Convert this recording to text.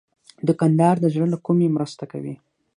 دوکاندار د زړه له کومي مرسته کوي.